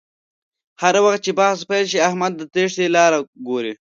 هر وخت چې بحث پیل شي احمد د تېښتې لاره گوري